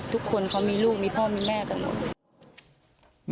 ทุกคนเขามีลูกมีพ่อมีแม่กันหมด